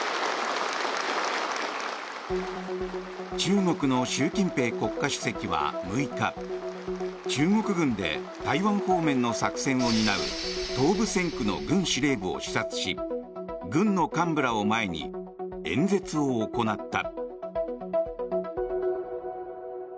中国の習近平国家主席は６日中国軍で台湾方面の作戦を担う東部戦区の軍司令部を視察し軍の幹部らを前に演説を行った。